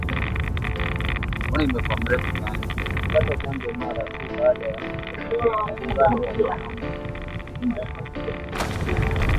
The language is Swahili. Kupata chanjo mara tu baada ya kungatwa na mbwa